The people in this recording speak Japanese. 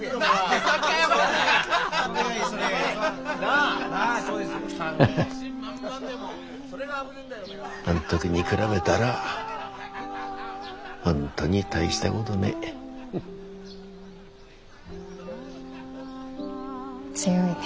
あん時に比べたら本当に大したことねえ。強いね。